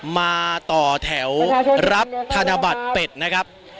มาต่อแถวรับธนบัตรเป็ดนะครับ